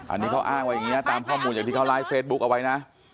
อันนี้เขาอ้างไว้อย่างนี้ตามข้อมูลอย่างที่เขาไลฟ์เฟซบุ๊คเอาไว้นะ